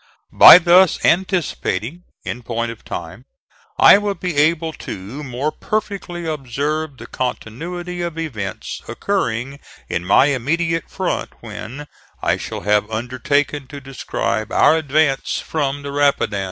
By thus anticipating, in point of time, I will be able to more perfectly observe the continuity of events occurring in my immediate front when I shall have undertaken to describe our advance from the Rapidan.